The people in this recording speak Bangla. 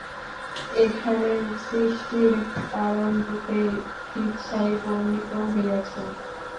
এখানে সৃষ্টির কারণরূপে ইচ্ছাই বর্ণিত হইয়াছে।